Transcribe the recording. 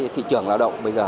thị trường lao động bây giờ